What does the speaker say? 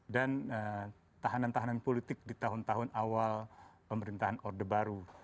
dan tahanan tahanan politik di tahun tahun awal pemerintahan orde baru